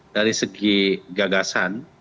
dari segi gagasan